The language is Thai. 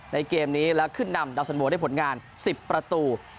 เกมนี้แล้วขึ้นนำดาวสันโวได้ผลงาน๑๐ประตู